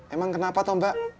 emang kenapa toh mbak